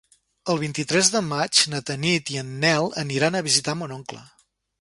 El vint-i-tres de maig na Tanit i en Nel aniran a visitar mon oncle.